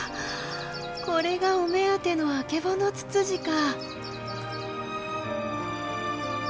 これがお目当てのアケボノツツジか！